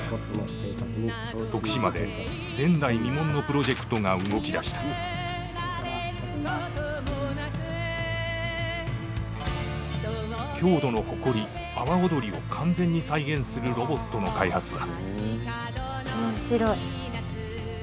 徳島で前代未聞のプロジェクトが動き出した郷土の誇り阿波踊りを完全に再現するロボットの開発だ